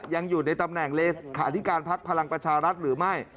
ยังอยู่ในตำแหน่งเลขาธิการพักพลังประชารัฐหรือไม่